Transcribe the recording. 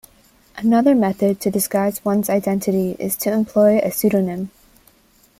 Another method to disguise one's identity is to employ a pseudonym.